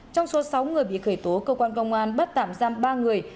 trong số sáu người bị khởi tố cơ quan công an bắt tạm giam ba người